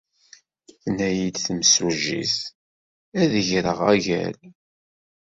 Tenna-iyi-d temsujjit ad geɣ agal.